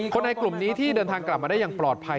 ในกลุ่มนี้ที่เดินทางกลับมาได้อย่างปลอดภัย